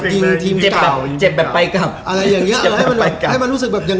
เดียนอรรครับ